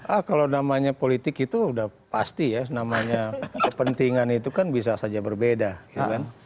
ah kalau namanya politik itu udah pasti ya namanya kepentingan itu kan bisa saja berbeda gitu kan